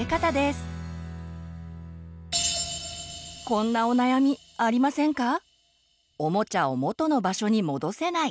こんなお悩みありませんか？